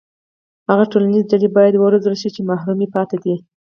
هغه ټولنیزې ډلې باید وروزل شي چې محرومې پاتې دي.